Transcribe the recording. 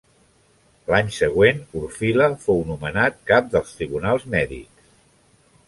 L'any següent Orfila fou nomenat cap dels tribunals mèdics.